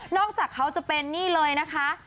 จากเขาจะเป็นนี่เลยนะคะ